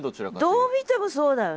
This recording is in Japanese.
どう見てもそうだよね。